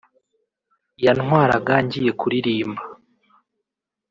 yantwaraga ngiye kuririmba